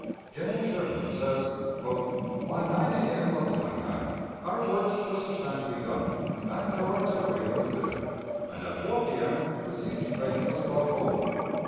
General Sherman says: "By 9 A.M. of the 29th our works were substantially done, and our artillery in position, and at 4 P.M. the siege train was brought forward. ...